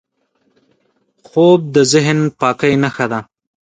خوب د ذهن پاکۍ نښه ده